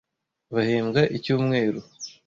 Bahembwa icyumweru.